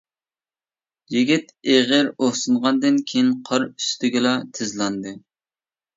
يىگىت ئېغىر ئۇھسىنغاندىن كىيىن، قار ئۈستىگىلا تىزلاندى.